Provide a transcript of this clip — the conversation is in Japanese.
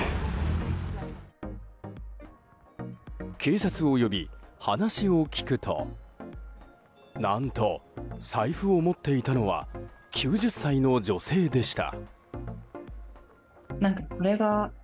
警察を呼び、話を聞くと何と、財布を持っていたのは９０歳の女性でした。